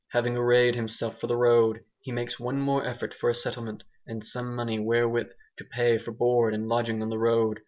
Having arrayed himself for the road he makes one more effort for a settlement and some money wherewith to pay for board and lodging on the road.